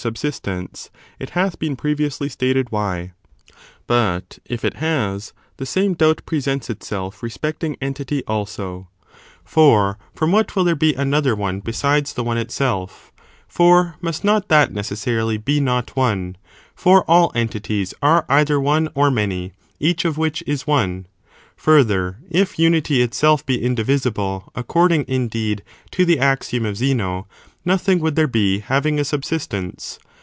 subsistence, it hath been previously stated why ; but if it has, the same doubt presents itself respecting entity also : for from what will there be another one besides the on^ itself, for must not that necessarily be not one, for all entities are either one or many, each of which is one 1 Further, if unity itself be indivisible, according, indeed, to the axiom of Zeno,* nothing would there be having a subsistence.